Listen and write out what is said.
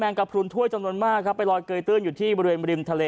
กระพรุนถ้วยจำนวนมากครับไปลอยเกยตื้นอยู่ที่บริเวณบริมทะเล